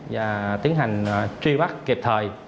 và tiến hành truy bắt kịp thời